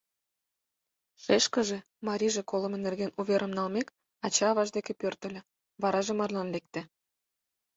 Шешкыже, марийже колымо нерген уверым налмек, ача-аваж деке пӧртыльӧ, вараже марлан лекте.